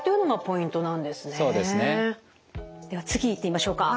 では次いってみましょうか。